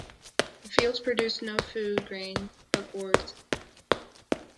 The fields produced no food grains, but gourds.